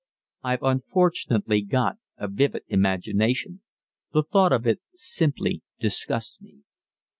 I've unfortunately got a vivid imagination. The thought of it simply disgusts me."